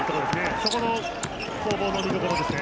そこの攻防も見どころですね。